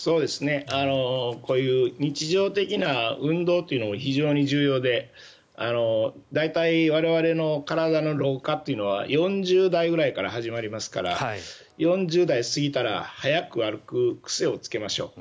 こういう日常的な運動というのは非常に重要で大体、我々の体の老化というのは４０代くらいから始まりますから４０代過ぎたら早く歩く癖をつけましょう。